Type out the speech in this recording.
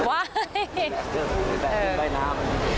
ใช่เป็นชุดเว่กา